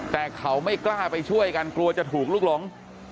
แต่เขาไม่กล้าไปช่วยกันกลัวจะถูกลุกหลง